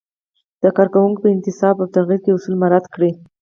د کارکوونکو په انتصاب او تغیر کې اصول مراعت کړئ.